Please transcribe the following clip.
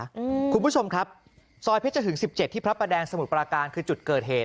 คุณผู้ชมครับซอยเพชรหึงสิบเจ็ดที่พระประแดงสมุทรปราการคือจุดเกิดเหตุ